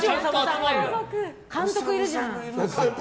監督いるじゃん！